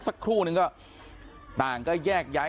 สักครู่นึงก็ต่างก็แยกย้าย